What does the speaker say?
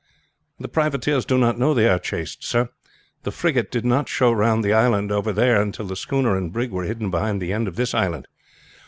"The privateers do not know they are chased sir. The frigate did not show round the island over there until the schooner and brig were hidden behind the end of this island.